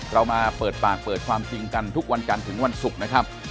เรามาเปิดปากเปิดความจริงกันทุกวันจันทร์ถึงวันศุกร์นะครับ